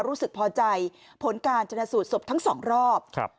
รู้สึกพอใจผลการชนะสูตรศพทั้งสองรอบครับ